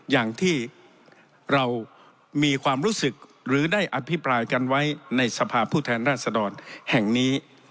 อย่างที่เรามีความรู้สึกหรือได้อภิปรายกันไว้ในสภาพผู้แทนราชดรแห่งนี้